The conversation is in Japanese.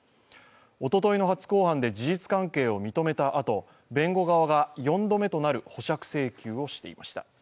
おとといの初公判で事実関係を認めたあと弁護側が４度目となる保釈請求をしていました。